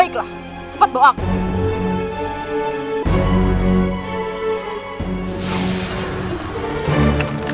cepat bawa aku